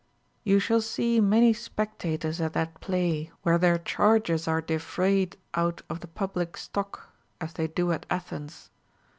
You shall see many specta tors at that play where their charges are defrayed out of the public stock, as they do at Athens.